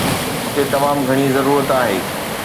هتي تمام گهڻي ضرورت آهي.